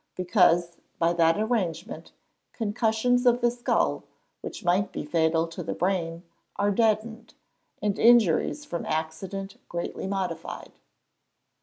_ Because, by that arrangement, concussions of the skull, which might be fatal to the brain, are deadened, and injuries from accident greatly modified.